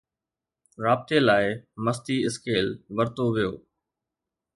رابطي لاءِ، مستي اسڪيل ورتو ويو